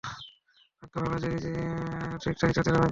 ভাগ্য ভালো যে রিজও ঠিক তাই ভাবে আমাকে!